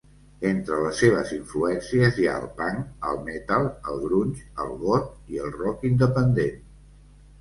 Entre les seves influències hi ha el punk, el metal, el grunge, el goth i el rock independent.